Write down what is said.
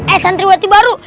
eh santriwati baru